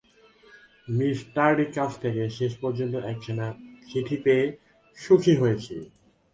Me স্টার্ডির কাছ থেকে শেষ পর্যন্ত একখানা চিঠি পেয়ে সুখী হয়েছি।